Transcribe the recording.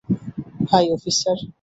High, officer!